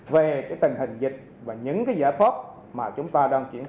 về tình hình dịch và những giải pháp mà chúng ta đang chuyển sang